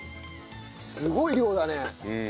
すごい量だね。